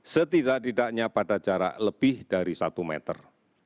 setidak tidaknya pada jarak lebih dari satu meter